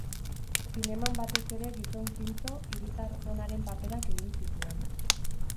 Zineman batez ere gizon zintzo, hiritar onaren paperak egin zituen.